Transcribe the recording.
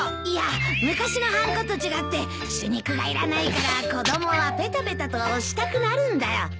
いや昔のはんこと違って朱肉がいらないから子供はペタペタと押したくなるんだよ。